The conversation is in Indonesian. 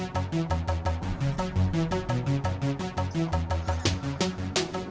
kita akan berkoordinasi lagi besok